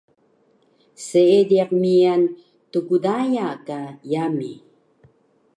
Seediq miyan Tgdaya ka yami